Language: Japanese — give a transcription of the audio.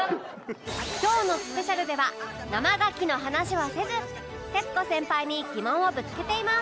今日のスペシャルでは生牡蠣の話はせず徹子先輩に疑問をぶつけています！